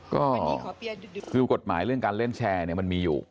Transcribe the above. ก็คือกฎหมายเรื่องการเล่นแชร์เนี่ยมันมีอยู่